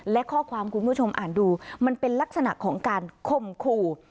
และข้อความคุณผู้ชมอ่านดูมันเป็นลักษณะของการข่มขู่